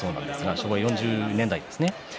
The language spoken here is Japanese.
昭和４０年代ですね